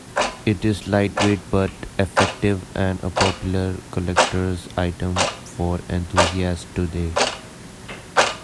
It is light-weight but effective, and a popular collector's item for enthusiasts today.